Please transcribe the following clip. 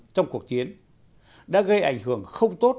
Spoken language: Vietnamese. trong cuộc chiến đã gây ảnh hưởng không tốt